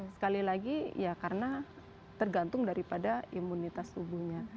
sekali lagi ya karena tergantung daripada imunitas tubuhnya